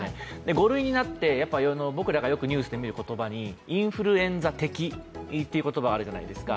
５類になって、僕らがよくニュースで見る言葉にインフルエンザ的という言葉があるじゃないですか。